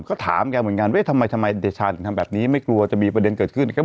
ก็ถามแกเหมือนกันว่าทำไมทำไมเดชาถึงทำแบบนี้ไม่กลัวจะมีประเด็นเกิดขึ้น